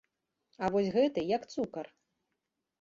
А вось гэты, як цукар!